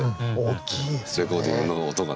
レコーディングの音がね。